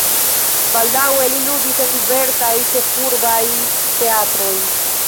Baldaŭe li ludis en diversaj ĉefurbaj teatroj.